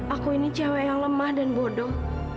aku ini cewek yang lemah dan bodoh